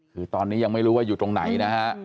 คือตอนนี้ยังไม่รู้ว่าอยู่ตรงไหนนะฮะ